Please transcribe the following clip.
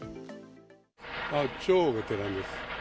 超ベテランです。